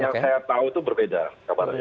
yang saya tahu itu berbeda kabarnya